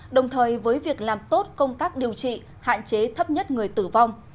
đồng thời với việc làm tốt công tác điều trị hạn chế thấp nhất người tử vong